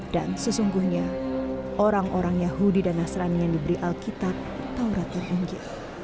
dan sesungguhnya orang orang yahudi dan nasrani yang diberi alkitab taurat tertinggi